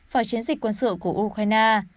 vào chiến dịch quân sự của ukraine